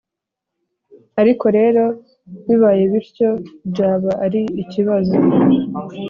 Ariko rero bibaye bityo byaba ari ikibazo